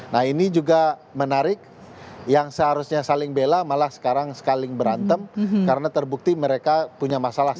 nah ini juga menarik yang seharusnya saling bela malah sekarang saling berantem karena terbukti mereka punya masalah